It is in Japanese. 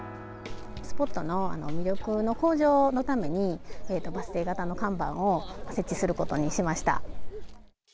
スポットの魅力の向上のために、バス停型の看板を設置することにしました。